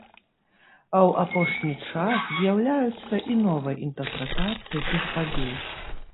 А ў апошні час з'яўляюцца і новыя інтэрпрэтацыі тых падзей.